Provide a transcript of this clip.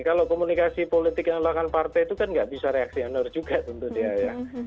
kalau komunikasi politik yang dilakukan partai itu kan nggak bisa reaksi honor juga tentu dia ya